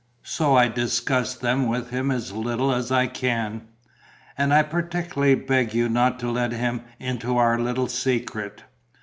So I discuss them with him as little as I can; and I particularly beg you not to let him into our little secret.